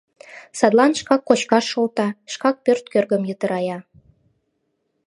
Садлан шкак кочкаш шолта, шкак пӧрт кӧргым йытырая...